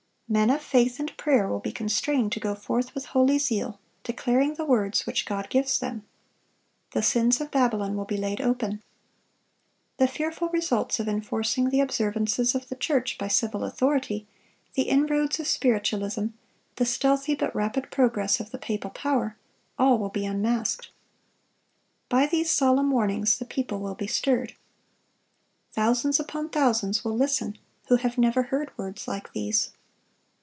Men of faith and prayer will be constrained to go forth with holy zeal, declaring the words which God gives them. The sins of Babylon will be laid open. The fearful results of enforcing the observances of the church by civil authority, the inroads of Spiritualism, the stealthy but rapid progress of the papal power,—all will be unmasked. By these solemn warnings the people will be stirred. Thousands upon thousands will listen who have never heard words like these.